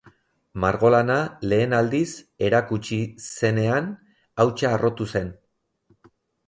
Margolana lehen aldiz erakutsi zenean, hautsa harrotu zen.